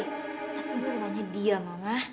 tapi beruangnya dia mama